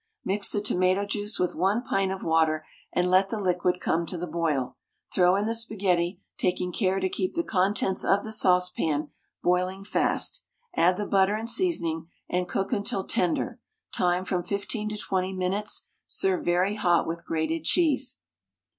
Mix the tomato juice with 1 pint of water and let the liquid come to the boil, throw in the spaghetti, taking care to keep the contents of the saucepan boiling fast; add the butter and seasoning, and cook until tender; time from 15 to 20 minutes. Serve very hot with grated cheese.